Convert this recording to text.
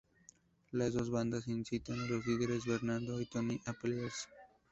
Las dos bandas incitan a los líderes, Bernardo y Tony, a pelearse.